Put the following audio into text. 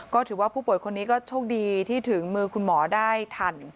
ก็ถือว่าผู้ป่วยคนนี้ก็โชคดีที่ถึงมือคุณหมอได้ทัน